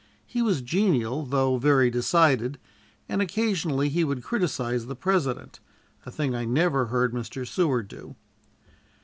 He was genial, though very decided, and occasionally he would criticise the President, a thing I never heard Mr. Seward do.